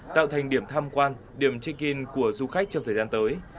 tạo thành điểm tham quan điểm check in của du khách trong thời gian tới